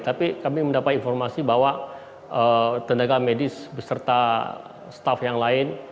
tapi kami mendapat informasi bahwa tenaga medis beserta staff yang lain